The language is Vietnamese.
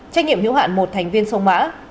trách nhiệm hiếu hạn một thành viên sông mã